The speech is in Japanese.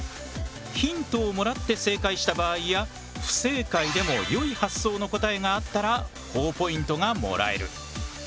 ヒントをもらって正解した場合や不正解でも良い発想の答えがあったらほぉポイントがもらえる。